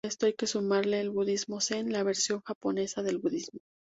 A esto hay que sumarle el budismo zen, la versión japonesa del budismo.